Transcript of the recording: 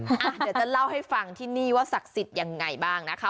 เดี๋ยวจะเล่าให้ฟังที่นี่ว่าศักดิ์สิทธิ์ยังไงบ้างนะคะ